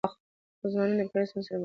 ځوانان د بيکاری ستونزې سره مخ دي.